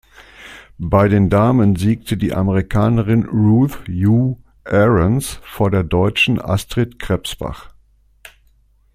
Bei den Damen siegte die Amerikanerin Ruth Hughes Aarons vor der deutschen Astrid Krebsbach.